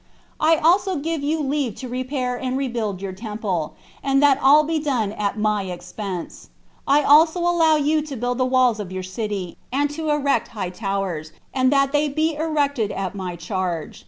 I also give you leave to repair and rebuild your temple, and that all be done at my expenses. I also allow you to build the walls of your city, and to erect high towers, and that they be erected at my charge.